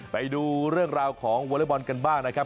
ไปดูเรื่องราวของวอเล็กบอลกันบ้างนะครับ